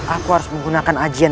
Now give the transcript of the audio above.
aku harus menggunakan ajian